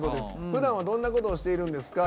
ふだんはどんなことをしているんですか。